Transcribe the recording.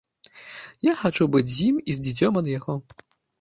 Я хачу быць з ім і з дзіцем ад яго.